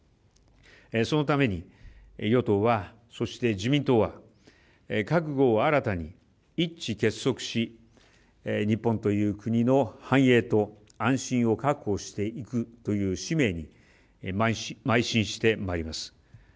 そのために与党は、そして自民党は覚悟を新たに一致結束し日本という国の繁栄と安心を確保していくという使命にまい進してまいります。